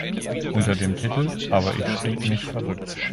Unter dem Titel "Aber ich schrieb mich verrückt.